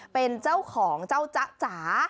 เป็นเจ้าของเจ้าจ๊ะจ๋า